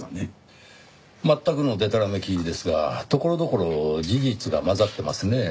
全くのデタラメ記事ですがところどころ事実が混ざってますねぇ。